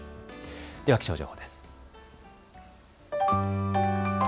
では気象情報です。